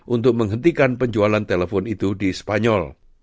untuk menghentikan penjualan telepon itu di spanyol